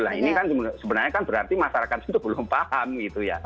nah ini kan sebenarnya kan berarti masyarakat itu belum paham gitu ya